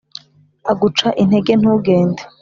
Aguca intege ntugende